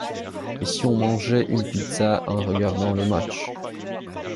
Et si on mangeait une pizza en regardant le match ?